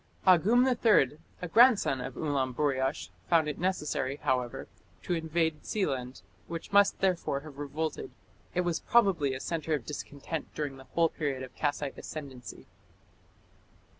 Agum III, a grandson of Ulamburiash, found it necessary, however, to invade Sealand, which must therefore have revolted. It was probably a centre of discontent during the whole period of Kassite ascendancy.